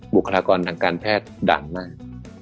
บุคลากรทางการแพทย์ดังมาก